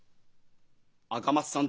赤松さん